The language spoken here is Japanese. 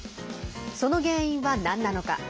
その原因は何なのか。